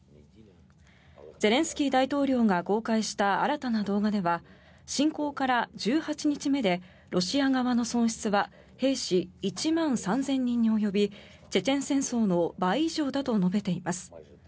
ゼレンスキー大統領が公開した新たな動画では侵攻から１８日目でロシア側の損失は兵士１万３０００人に及びチェチェン戦争の倍以上だと述べています。